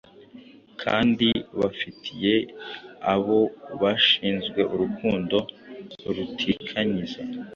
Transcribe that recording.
kandi bafitiye abo bashinzwe urukundo rutikanyiza.